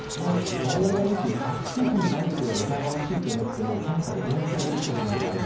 我々が診て明らかに梅毒が疑わしいと思っても検査で陰性と出てしまう場合があります。